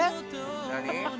何？